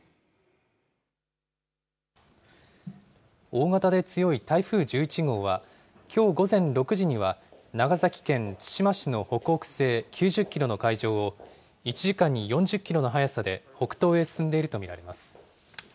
大型で強い台風１１号は、きょう午前６時には長崎県対馬市の北北西９０キロの海上を、１時間に４０キロの速さで北東へ進んでいると見られます。